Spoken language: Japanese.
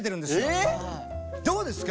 え⁉どうですか？